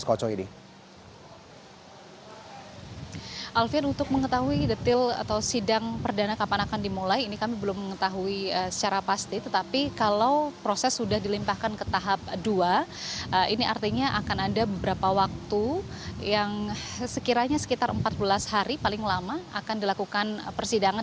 kalau sidang perdana kapan akan dimulai ini kami belum mengetahui secara pasti tetapi kalau proses sudah dilimpahkan ke tahap dua ini artinya akan ada beberapa waktu yang sekiranya sekitar empat belas hari paling lama akan dilakukan persidangan